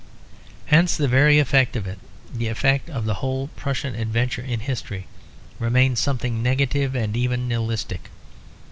Hence the very effect of it, like the effect of the whole Prussian adventure in history, remains something negative and even nihilistic.